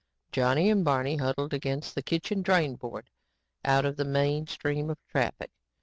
Johnny and Barney huddled against the kitchen drainboard out of the main stream of traffic.